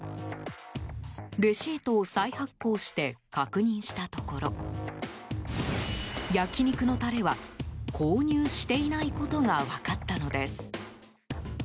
レシートを再発行して確認したところ焼き肉のタレは購入していないことが分かったのです。